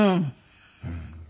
うん。